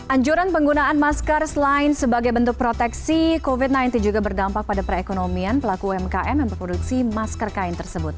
anjuran penggunaan masker selain sebagai bentuk proteksi covid sembilan belas juga berdampak pada perekonomian pelaku umkm yang memproduksi masker kain tersebut